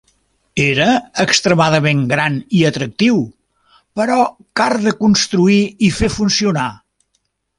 Era extremadament gran i atractiu, però car de construir i fer funcionar.